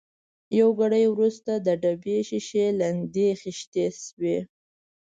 یو ګړی وروسته د ډبې شېشې لندې خېشتې شوې.